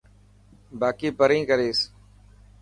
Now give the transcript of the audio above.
با ڪي پرين ڪريس.